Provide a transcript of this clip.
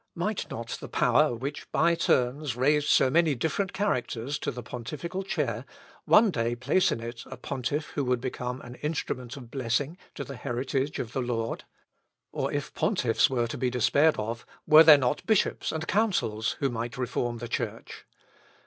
Might not the power which by turns raised so many different characters to the pontifical chair, one day place in it a pontiff who would become an instrument of blessing to the heritage of the Lord? Or if pontiffs were to be despaired of, were there not bishops and councils, who might reform the Church?